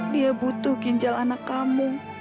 dia butuh ginjal anak kamu